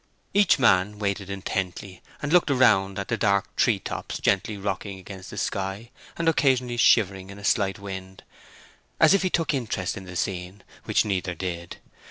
Each man waited intently, and looked around at the dark tree tops gently rocking against the sky and occasionally shivering in a slight wind, as if he took interest in the scene, which neither did.